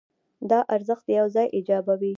دا ارزښت یو څه ایجابوي.